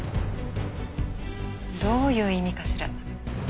どういう意味かしら？